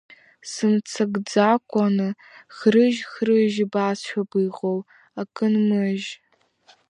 Сымццакӡакәаны хрыжь-хрыжь, ибасҳәап иҟоу, акы нмыжь.